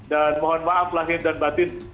dan mohon maaf lahir dan batin